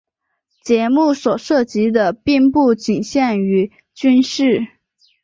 节目所涉及的并不仅限于军事。